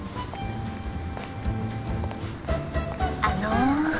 あの。